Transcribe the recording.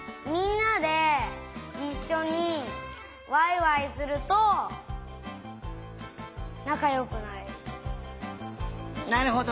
みんなでいっしょにワイワイするとなかよくなれる。